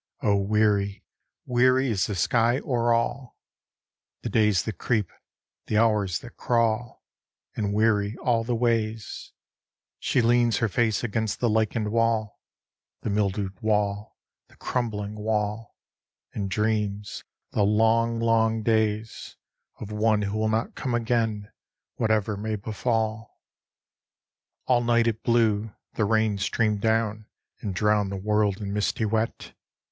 Oh, weary, weary is the sky o'er all, The days that creep, the hours that crawl, And weary all the ways She leans her face against the lichened wall, The mildewed wall, the crumbling wall, And dreams, the long, long days, Of one who will not come again whatever may befall. All night it blew. The rain streamed down And drowned the world in misty wet.